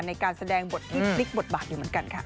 ในการแสดงบทที่พลิกบทบาทอยู่เหมือนกันค่ะ